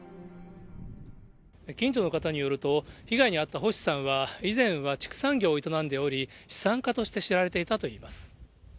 近所の方によると、被害に遭った星さんは、以前は畜産業を営んでおり、資産家として知られていたといいます。